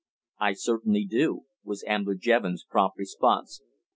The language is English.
"I certainly do," was Ambler Jevons' prompt response.